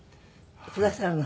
くださるの？